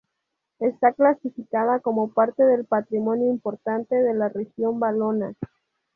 Está clasificada como parte del patrimonio importante de la Región Valona.